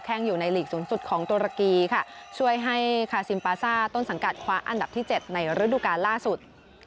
อยู่ในหลีกสูงสุดของตุรกีค่ะช่วยให้คาซิมปาซ่าต้นสังกัดคว้าอันดับที่๗ในฤดูการล่าสุด